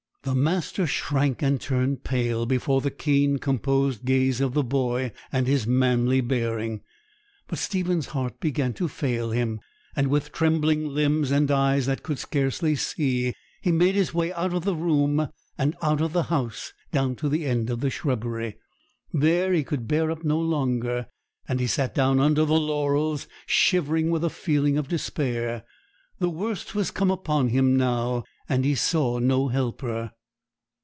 The master shrank and turned pale before the keen, composed gaze of the boy and his manly bearing; but Stephen's heart began to fail him, and, with trembling limbs and eyes that could scarcely see, he made his way out of the room, and out of the house, down to the end of the shrubbery. There he could bear up no longer, and he sat down under the laurels, shivering with a feeling of despair. The worst was come upon him now, and he saw no helper.